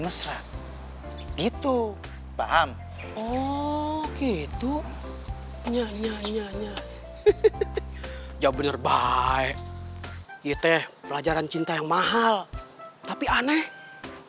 mesra gitu paham oh gitu nyanyi nyanyi jawabnya baik itu pelajaran cinta yang mahal tapi aneh aneh